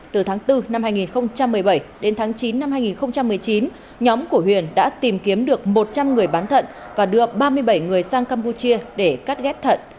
từ tháng bốn năm hai nghìn một mươi bảy đến tháng chín năm hai nghìn một mươi chín nhóm của huyền đã tìm kiếm được một trăm linh người bán thận và đưa ba mươi bảy người sang campuchia để cắt ghép thận